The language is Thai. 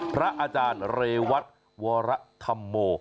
พระอาจารย์เรวัตวรธรรมโม